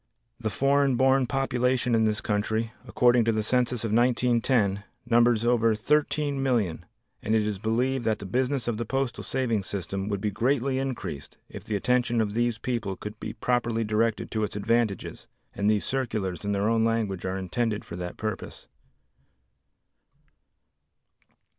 The foreign born population in this country, according to the census of 1910, numbers over 13,000,000 and it is believed that the business of the Postal Savings System would be greatly increased if the attention of these people could be properly directed to its advantages, and these circulars in their own language are intended for that purpose.